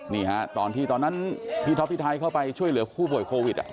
นี่ฮะตอนนั้นพี่ท็อปที่ไทยเข้าไปช่วยเหลือภูโหวดโควิด